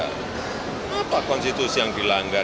kenapa konstitusi yang dilanggar